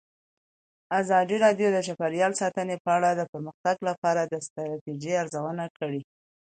ازادي راډیو د چاپیریال ساتنه په اړه د پرمختګ لپاره د ستراتیژۍ ارزونه کړې.